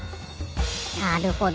なるほど。